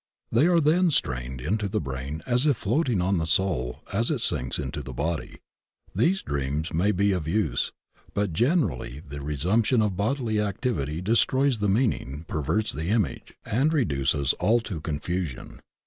They are then strained into the brain as if floating on the soul as it sinks into the body. These dreams may be of use, but generally the resumption of bodily activity destroys the meaning, perverts the image, and re 144 THE OCEAN OF THEOSOPHY duces all to confusion.